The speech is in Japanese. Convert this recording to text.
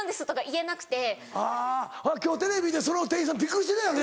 ほな今日テレビでその店員さんびっくりしてるやろね。